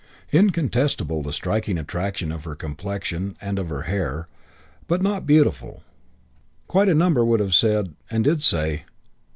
Incontestable the striking attraction of her complexion and of her hair; but not beautiful, quite a number would have said, and did say.